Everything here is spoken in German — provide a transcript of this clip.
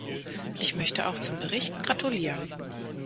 Ich möchte auch zum Bericht gratulieren.